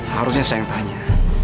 harusnya saya yang tanya